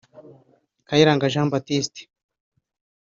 Kayiranga Jean Baptiste